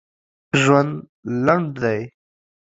ژوند لنډ دی.